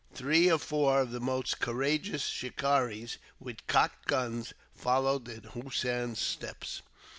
Three or four of the most courageous shikaris, with cocked guns, followed in Hossein's steps.